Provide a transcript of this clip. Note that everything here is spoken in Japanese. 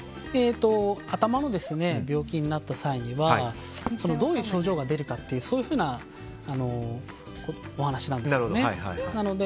頭の病気になった際にはどういう症状が出るかっていうふうなお話なんですよね。